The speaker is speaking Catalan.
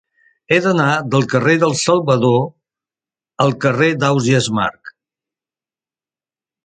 He d'anar del carrer dels Salvador al carrer d'Ausiàs Marc.